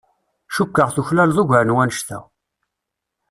Cukkeɣ tuklaleḍ ugar n wannect-a.